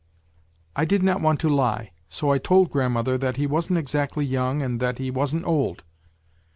' I did not want to lie, so I told grandmother that he wasn't exactly young and that he w y asn't old.